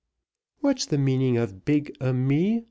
"What's the meaning of big a me?"